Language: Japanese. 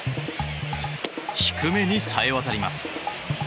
低めにさえわたります。